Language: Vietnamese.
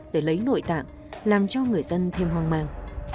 để lấy nội tạng làm cho người dân thêm hoang mang